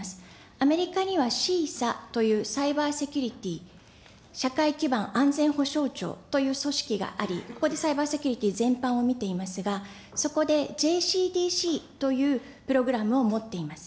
アメリカにはシーサというサイバーセキュリティ、社会基盤安全保障庁という組織があり、ここでサイバーセキュリティ全般を見ていますが、そこでＪＣＤＣというプログラムを持っています。